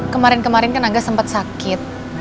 kemarin kemarin kan aga sempet sakit